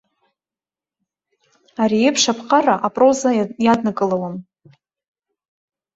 Ари еиԥш аԥҟара апроза иаднакылауам.